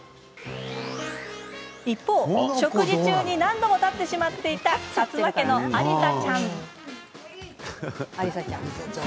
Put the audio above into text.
一方、食事中に何度も立ってしまっていた薩摩家の有沙ちゃん。